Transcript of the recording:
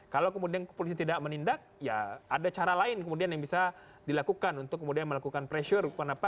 kalau kemudian kepolisian tidak menindak ya ada cara lain kemudian yang bisa dilakukan untuk kemudian melakukan pressure